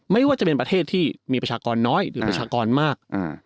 ไม่ว่าจะเป็นประเทศที่มีประชากรน้อยหรือประชากรมาก